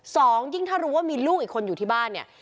สองยิ่งถ้ารู้ว่ามีลูกอีกคนอยู่ที่บ้านเนี่ย